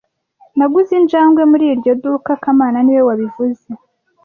Naguze injangwe muri iryo duka kamana niwe wabivuze